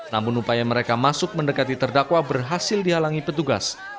namun upaya mereka masuk mendekati terdakwa berhasil dihalangi petugas